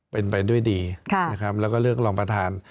เป็นไปด้วยดีนะครับแล้วก็เลือกรองประธาน